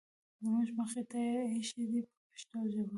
زموږ مخې ته یې اېښي دي په پښتو ژبه.